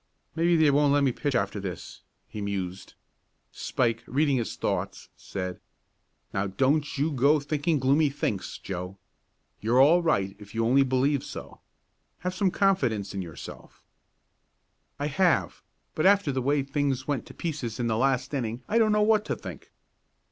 "Maybe they won't let me pitch after this," he mused. Spike, reading his thoughts, said: "Now don't you go to thinking gloomy thinks, Joe. You're all right if you only believe so. Have some confidence in yourself." "I have, but after the way things went to pieces in the last inning I don't know what to think."